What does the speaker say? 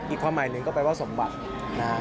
ความหมายหนึ่งก็แปลว่าสมบัตินะฮะ